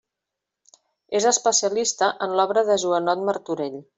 És especialista en l'obra de Joanot Martorell.